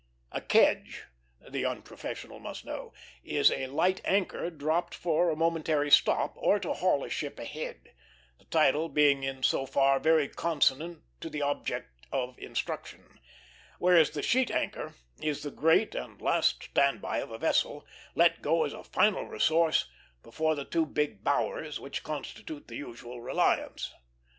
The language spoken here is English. A kedge, the unprofessional must know, is a light anchor, dropped for a momentary stop, or to haul a ship ahead, the title being in so far very consonant to the object of instruction; whereas the sheet anchor is the great and last stand by of a vessel, let go as a final resource after the two big "bowers," which constitute the usual reliance.